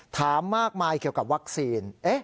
ถามมากมายเกี่ยวกับวัคซีน